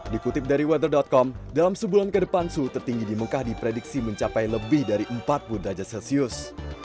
dikutip dari weather com dalam sebulan ke depan suhu tertinggi di mekah diprediksi mencapai lebih dari empat puluh derajat celcius